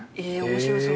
面白そう。